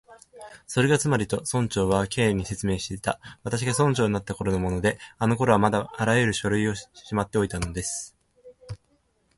「それがつまり」と、村長は Ｋ に説明していった「私が村長になったころのもので、あのころは私もまだあらゆる書類をしまっておいたんです」